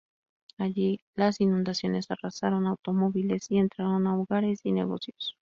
Allí, las inundaciones arrasaron automóviles y entraron a hogares y negocios.